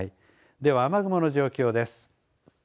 では、雨雲の状況です。